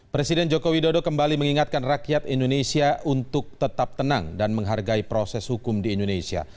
presiden joko widodo kembali mengingatkan rakyat indonesia untuk tetap tenang dan menghargai proses hukum di indonesia